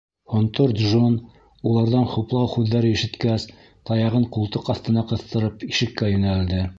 Һонтор Джон, уларҙан хуплау һүҙҙәре ишеткәс, таяғын ҡултыҡ аҫтына ҡыҫтырып, ишеккә йүнәлде.